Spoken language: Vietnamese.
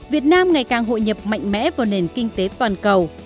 việt nam ngày càng hội nhập mạnh mẽ vào nền kinh tế toàn cầu